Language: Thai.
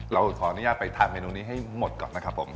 เราขออนุญาตไปทานเมนูนี้ให้หมดก่อนนะครับผม